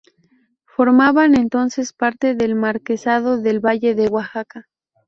Formaban entonces parte del Marquesado del Valle de Oaxaca.